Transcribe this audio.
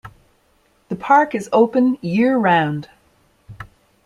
The park is open year-round.